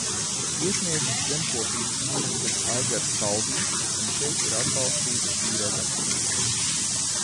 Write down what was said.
Iesniedzis zemkopības ministrs Aigars Kalvītis, un šeit ir atbalstīta šī redakcija.